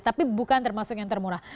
tapi bukan termasuk yang termurah